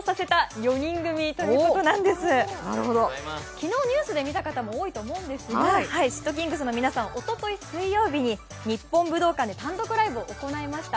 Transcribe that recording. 昨日ニュースで見た方も多いと思うんですが、ｓ＊＊ｔｋｉｎｇｚの皆さん、おととい水曜日に日本武道館で単独ライブを行いました。